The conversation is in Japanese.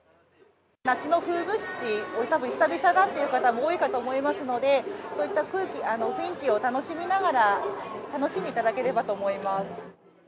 夏の風物詩、たぶん久々だって方も多いかと思いますので、そういった空気、雰囲気を楽しみながら、楽しんでいただければと思います。